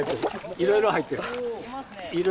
いろいろ入ってる。